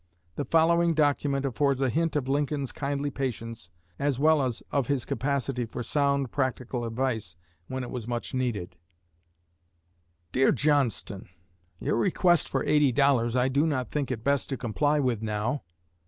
The following document affords a hint of Lincoln's kindly patience as well as of his capacity for sound practical advice when it was much needed: DEAR JOHNSTON: Your request for eighty dollars I do not think it best to comply with now.